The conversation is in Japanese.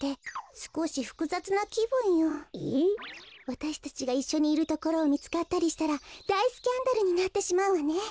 わたしたちがいっしょにいるところをみつかったりしたらだいスキャンダルになってしまうわね。